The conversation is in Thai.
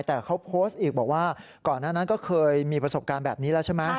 แต่เขาโพสต์อีกบอกว่าก่อนหน้านั้นก็เคยมีประสบการณ์แบบนี้แล้วใช่ไหม